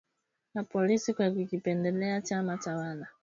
na polisi kwa kukipendelea chama tawala